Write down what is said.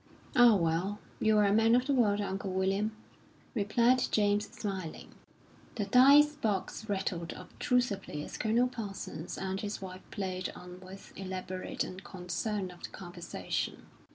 "Ah, well, you're a man of the world, Uncle William," replied James, smiling. The dice box rattled obtrusively as Colonel Parsons and his wife played on with elaborate unconcern of the conversation.